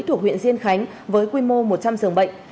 thuộc huyện diên khánh với quy mô một trăm linh giường bệnh